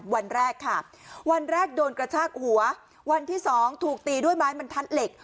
วันแรกค่ะวันแรกโดนกระชากหัววันที่สองถูกตีด้วยไม้บรรทัดเหล็ก